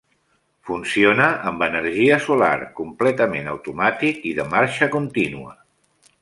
Funciona amb energia solar, completament automàtic i de marxa continua.